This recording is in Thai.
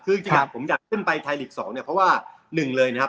คือจริงผมอยากขึ้นไปไทยลีก๒เนี่ยเพราะว่าหนึ่งเลยนะครับ